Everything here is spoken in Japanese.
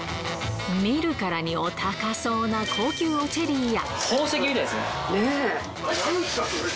見るからにお高そうな高級おチェリーや。